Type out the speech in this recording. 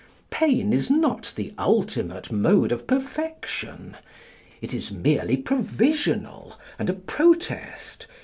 Pain is not the ultimate mode of perfection. It is merely provisional and a protest.